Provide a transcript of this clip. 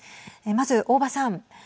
まず、大庭さん。